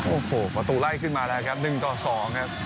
โอ้โหประตูไล่ขึ้นมาแล้วครับ๑ต่อ๒ครับ